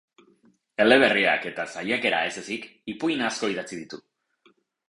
Eleberriak eta saiakera ez ezik, ipuin asko idatzi ditu.